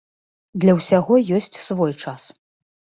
Для ўсяго ёсць свой час.